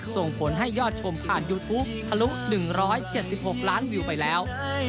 ส่งผลให้ยอดชมผ่านยูทูปทะลุ๑๗๖ล้านวิวไปแล้ว